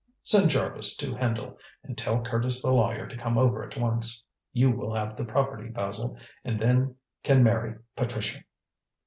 Send Jarvis to Hendle and tell Curtis the lawyer to come over at once. You will have the property, Basil, and then can marry Patricia.